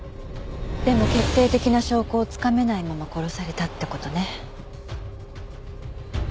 でも決定的な証拠をつかめないまま殺されたって事ね。